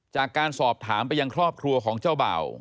จากการสอบถามไปยังครอบครัวของเจ้าเบ่า